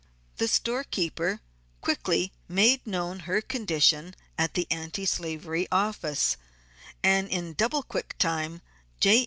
The store keeper quickly made known her condition at the Anti slavery Office, and in double quick time J.